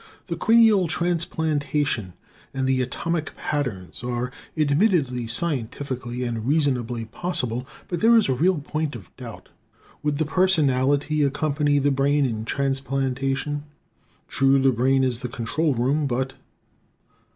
The cranial transplantation and the "atomic patterns" are admittedly scientifically and reasonably possible. But there is a real point of doubt: Would the personality accompany the brain in transplantation? True, the brain is the control room; but